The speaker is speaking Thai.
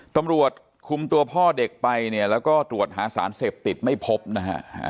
ตำรวจคุมตัวพ่อเด็กไปเนี่ยแล้วก็ตรวจหาสารเสพติดไม่พบนะฮะ